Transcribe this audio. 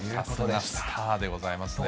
さすがスターでございますね。